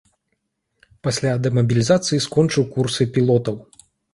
Пасля дэмабілізацыі скончыў курсы пілотаў.